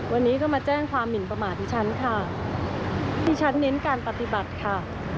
วันนี้ก็มาแจ้งความหมินประมาทที่ฉันค่ะที่ฉันเน้นการปฏิบัติค่ะ